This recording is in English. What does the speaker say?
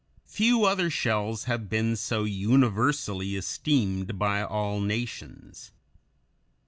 Few other shells have been so universally esteemed by all nations.